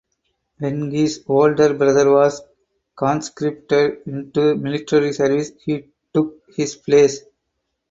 When his older brother was conscripted into the military service he took his place.